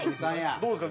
どうですか？